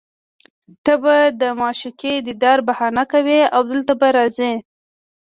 ته به د معشوقې دیدار بهانه کوې او دلته به راځې